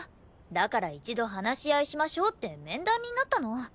だから一度話し合いしましょうって面談になったの。